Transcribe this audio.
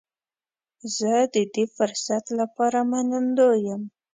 زه د دې فرصت لپاره منندوی یم.